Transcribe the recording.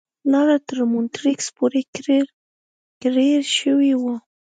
لاره تر مونیټریکس پورې کریړ شوې وه.